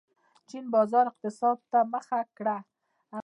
چین بازاري اقتصاد ته مخه کړه.